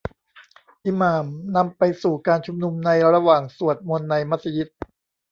อิหม่ามนำไปสู่การชุมนุมในระหว่างสวดมนต์ในมัสยิด